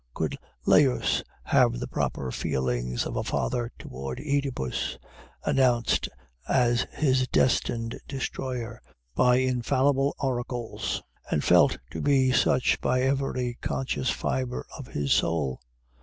Could Laius have the proper feelings of a father towards Œdipus, announced as his destined destroyer by infallible oracles, and felt to be such by every conscious fiber of his soul?